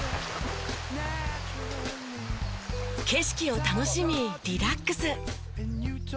景色を楽しみリラックス。